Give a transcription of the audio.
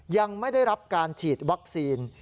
ยังไม่ได้รับการฉีดวัคซีน